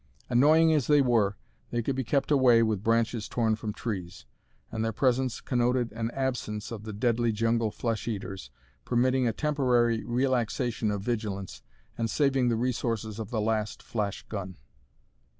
Annoying as they were, they could be kept away with branches torn from trees, and their presence connoted an absence of the deadly jungle flesh eaters, permitting a temporary relaxation of vigilance and saving the resources of the last flash gun.